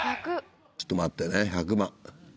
ちょっと待ってね１００番。